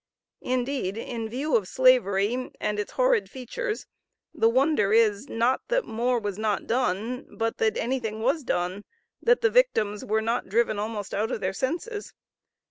Indeed, in view of Slavery and its horrid features, the wonder is, not that more was not done, but that any thing was done, that the victims were not driven almost out of their senses.